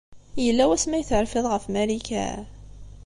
Yella wasmi ay terfiḍ ɣef Marika?